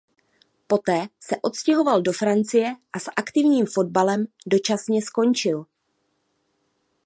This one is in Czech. Poté se odstěhoval do Francie a s aktivním fotbalem dočasně skončil.